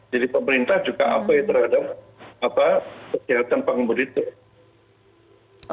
jadi pemerintah juga apa ya terhadap kesehatan pengembudin